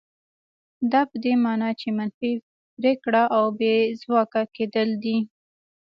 دا په دې مانا چې منفي پرېکړه او بې ځواکه کېدل دي.